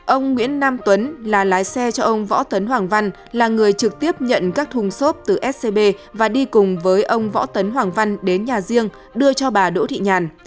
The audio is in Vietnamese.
ông nguyễn nam tuấn là lái xe cho ông võ tấn hoàng văn là người trực tiếp nhận các thùng xốp từ scb và đi cùng với ông võ tấn hoàng văn đến nhà riêng đưa cho bà đỗ thị nhàn